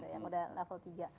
yang udah level tiga